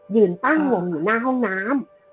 ยืนตั้งงมอยู่หน้าห้องน้ำ